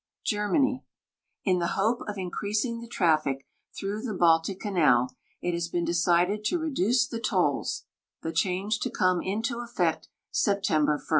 GER^rANv. In the hope of increasing the traffic through the Baltic canal, it has been decided to reduce the tolls, the change to come into effect September 1.